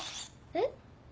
えっ？